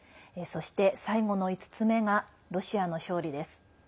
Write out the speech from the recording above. そして、最後の５つ目がロシアの勝利です。